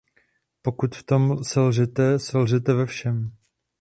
Pokud v tom selžete, selžete ve všem.